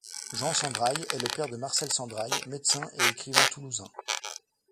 Jean Sendrail est le père de Marcel Sendrail, médecin et écrivain toulousain.